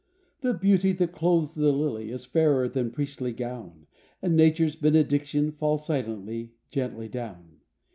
The beauty that clothes the lily Is fairer than priestly gown, And nature's benediction Falls silently, gently down.